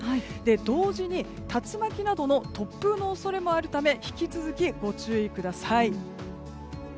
同時に、竜巻などの突風の恐れもあるため引き続き、ご注意ください。